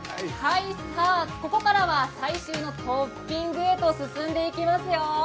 さあ、ここからは最終のトッピングへと進んでいきますよ。